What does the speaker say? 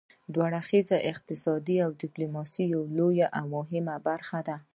دوه اړخیزه اقتصادي ډیپلوماسي یوه لویه او مهمه برخه ده